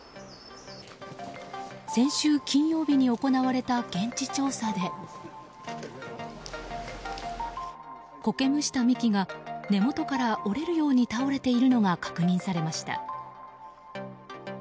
先週金曜日に行われた現地調査でこけむした幹が根元から折れるように倒れているのが確認されました。